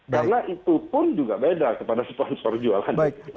karena itu pun juga beda kepada sponsor jualan